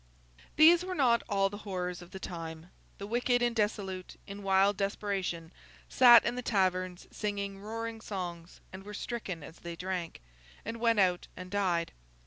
These were not all the horrors of the time. The wicked and dissolute, in wild desperation, sat in the taverns singing roaring songs, and were stricken as they drank, and went out and died.